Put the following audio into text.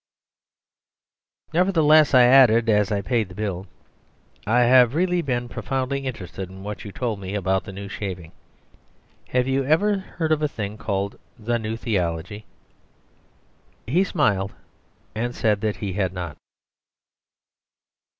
"Nevertheless," I added, as I paid the bill, "I have really been profoundly interested in what you told me about the New Shaving. Have you ever heard of a thing called the New theology?" He smiled and said that he had not.